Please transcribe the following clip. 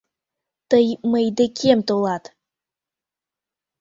— Тый мый декем толат!